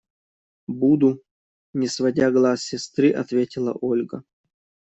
– Буду! – не сводя глаз с сестры, ответила Ольга.